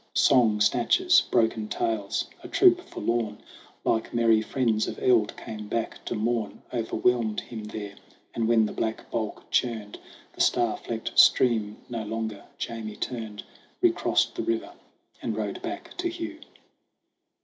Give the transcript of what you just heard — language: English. Song snatches, broken tales a troop forlorn, Like merry friends of eld come back to mourn Overwhelmed him there. And when the black bulk churned The star flecked stream no longer, Jamie turned, Recrossed the river and rode back to Hugh.